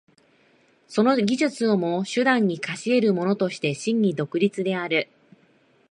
その技術をも手段に化し得るものとして真に独立である。